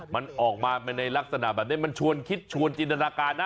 มันออกมาในลักษณะแบบนี้มันชวนคิดชวนจินตนาการนะ